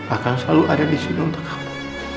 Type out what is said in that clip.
akan selalu ada disini untuk kamu